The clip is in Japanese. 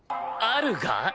あるが！？